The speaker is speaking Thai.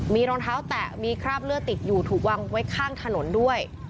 มีรองเท้าแตะมีคราบเลือดติดอยู่ถูกวางไว้ข้างถนนด้วย